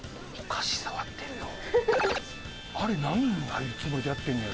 あれ何位に入るつもりでやってんやろ？